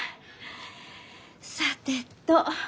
さてと。